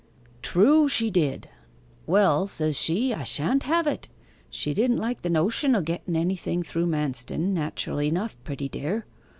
'True, she did. "Well," says she, "I shan't have it" (she didn't like the notion o' getten anything through Manston, naturally enough, pretty dear).